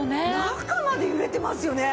中まで揺れてますよね。